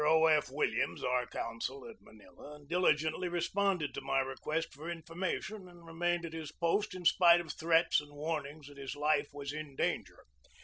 O. F. WILLIAMS, our consul at Manila, dili gently responded to my request for information, and remained at his post in spite of threats and warn ings that his life was in danger.